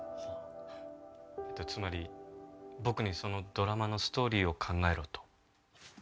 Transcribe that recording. つまり僕にそのドラマのストーリーを考えろと？